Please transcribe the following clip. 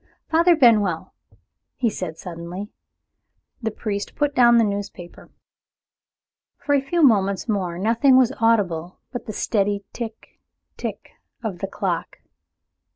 "Father Benwell!" he said suddenly. The priest put down the newspaper. For a few moments more nothing was audible but the steady tick tick of the clock.